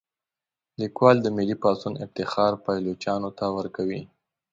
لیکوال د ملي پاڅون افتخار پایلوچانو ته ورکوي.